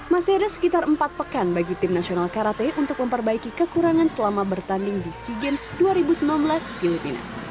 masih ada sekitar empat pekan bagi tim nasional karate untuk memperbaiki kekurangan selama bertanding di sea games dua ribu sembilan belas filipina